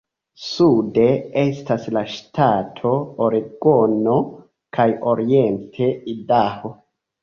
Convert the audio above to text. Sude estas la ŝtato Oregono kaj oriente Idaho.